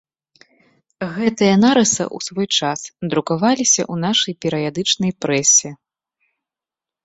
Гэтыя нарысы ў свой час друкаваліся ў нашай перыядычнай прэсе.